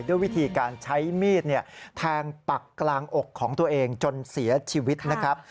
ด้วยวิธีการใช้มีดแทงปักกลางอกของตัวเองจนเสียชีวิตนะครับ